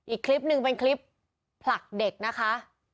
อีกคลิปหนึ่งเป็นคลิปผลักเด็กนะคะ